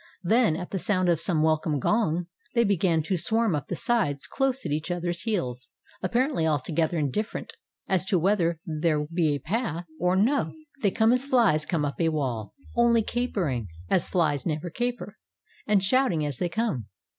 Then, at the sound of some welcome gong, they begin to swarm up the sides close at each other's heels, appar ently altogether indifferent as to whether there be a path 456 THE DIAMOND FIELDS OF SOUTH AFRICA or no. They come as flies come up a wall, only capering as flies never caper, — and shouting as they come.